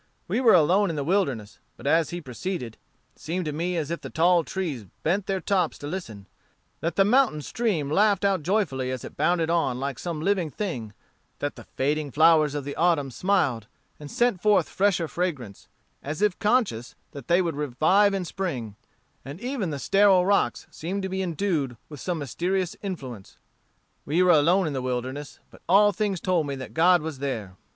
We were alone in the wilderness, but as he proceeded, it seemed to me as if the tall trees bent their tops to listen; that the mountain stream laughed out joyfully as it bounded on like some living thing that the fading flowers of autumn smiled, and sent forth fresher fragrance, as if conscious that they would revive in spring; and even the sterile rocks seemed to be endued with some mysterious influence. We were alone in the wilderness, but all things told me that God was there.